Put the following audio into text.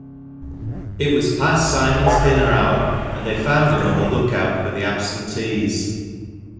It was past Simon's dinner hour, and they found him on the look out for the absentees.